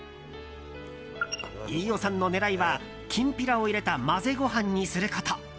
飯尾さんの狙いはきんぴらを入れた混ぜご飯にすること。